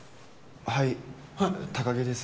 はい高城です